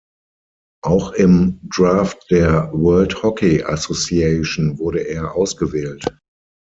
Auch im Draft der World Hockey Association wurde er ausgewählt.